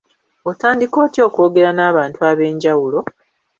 Otandika otya okwogera n’abantu ab’enjawulo?